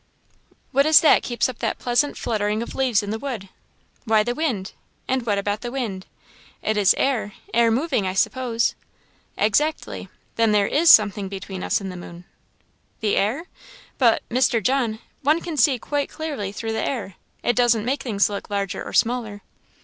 "What is it that keeps up that pleasant fluttering of leaves in the wood?" "Why, the wind." "And what is the wind?" "It is air air moving, I suppose." "Exactly. Then there is something between us and the moon?" "The air? But, Mr. John, one can see quite clearly through the air; it doesn't make things look larger or smaller."